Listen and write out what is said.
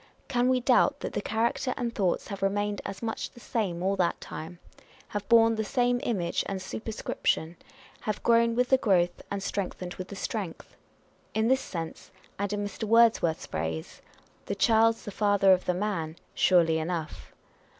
Can we doubt that the character and thoughts have remained as much the same all that time; have borne the same image and super scription ; have grown with the growth, and strengthened with the strength? In this sense, and in Mr. Words worth's phrase, " the child's the father of the man " surely enough.